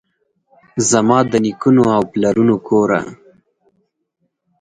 زما دنیکونو اوپلرونو کوره!